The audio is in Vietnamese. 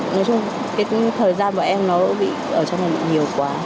nói chung là thời gian bọn em nó bị ở trong này nhiều quá